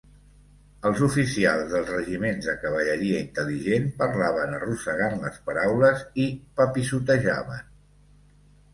Els oficials dels regiments de cavalleria intel·ligent parlaven arrossegant les paraules, i papissotejaven.